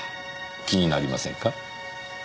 気になりませんか？は？